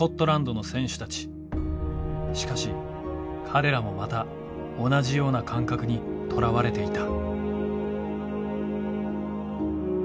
しかし彼らもまた同じような感覚にとらわれていた。